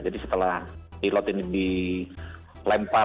jadi setelah pilot ini dilempar